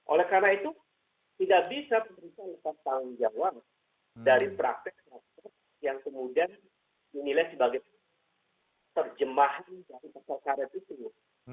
oleh karena itu tidak bisa pemerintah lepas tanggung jawab dari praktek praktek yang kemudian dinilai sebagai terjemahan dari pasal karet itu